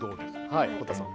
はい堀田さん。